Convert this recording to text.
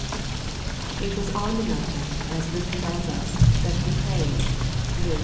It was on the mountain, as Luke tells us, that He prayed (Luke vi.